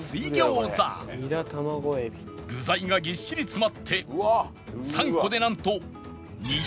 具材がぎっしり詰まって３個でなんと